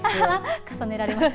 重ねられました。